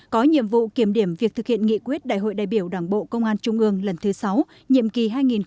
có nhiệm vụ kiểm điểm việc thực hiện nghị quyết đại hội đại biểu đảng bộ công an trung ương lần thứ sáu nhiệm kỳ hai nghìn hai mươi hai nghìn hai mươi năm